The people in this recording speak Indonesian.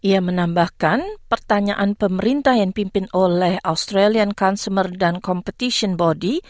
ia menambahkan pertanyaan pemerintah yang dipimpin oleh australian consumer dan competition body